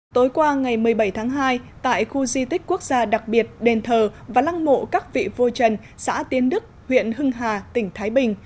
tối qua ngày một mươi bảy tháng hai tại khu di tích quốc gia đặc biệt đền thờ và lăng mộ các vị vua trần xã tiến đức huyện hưng hà tỉnh thái bình